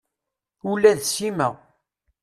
Ula d Sima.